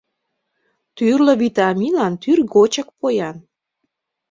Тӱрлӧ витаминлан тӱргочак поян.